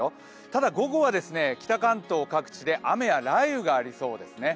ただ、午後は北関東各地で雨や雷雨がありそうですね。